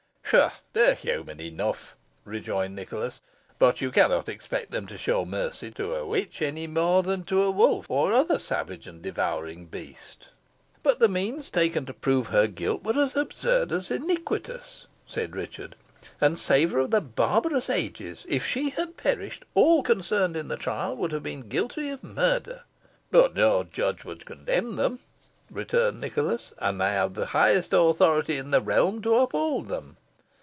"Pshaw! they are humane enough," rejoined Nicholas; "but you cannot expect them to show mercy to a witch, any more than to a wolf, or other savage and devouring beast." "But the means taken to prove her guilt were as absurd as iniquitous," said Richard, "and savour of the barbarous ages. If she had perished, all concerned in the trial would have been guilty of murder." "But no judge would condemn them," returned Nicholas; "and they have the highest authority in the realm to uphold them.